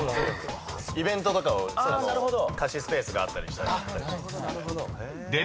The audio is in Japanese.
イベントとかを貸しスペースがあったりしてやったりしますね。